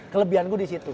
kelebianku di situ